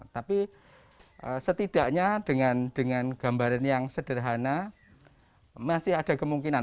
tapi setidaknya dengan gambaran yang sederhana masih ada kemungkinan